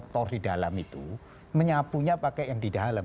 tor di dalam itu menyapunya pakai yang di dalam